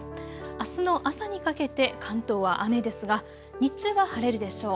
あすの朝にかけて関東は雨ですが日中は晴れるでしょう。